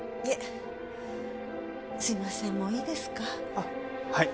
あっはい。